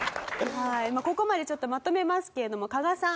ここまでちょっとまとめますけれども加賀さん